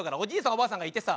おばあさんがいてさ。